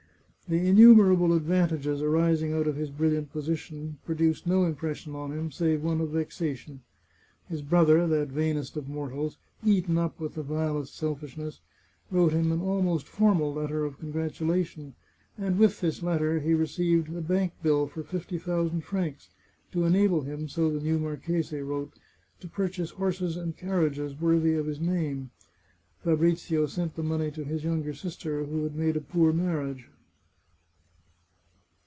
The innumerable advantages arising out of his brilliant position produced no impression on him, save one of vexa tion. His brother, that vainest of mortals, eaten up with the vilest selfishness, wrote him an almost formal letter of con gratulation, and with this letter he received a bank bill for fifty thousand francs, to enable him, so the new marchese wrote, to purchase horses and carriages worthy of his name. Fabrizio sent the money to his younger sister, who had made a poor marriage.